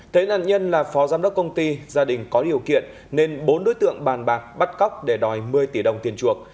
thấy nạn nhân là phó giám đốc công ty gia đình có điều kiện nên bốn đối tượng bàn bạc bắt cóc để đòi một mươi tỷ đồng tiền chuộc